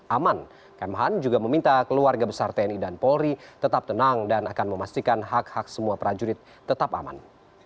aman kemhan juga meminta keluarga besar tni dan polri tetap tenang dan akan memastikan hak hak semua prajurit tetap aman